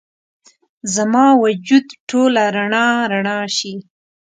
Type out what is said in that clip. زما وجود ټوله رڼا، رڼا شي